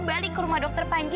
kembali ke rumah dokter panji